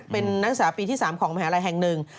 เป็นนักศึกษาปีที่๓ของมหาลัยแห่งหนึ่ง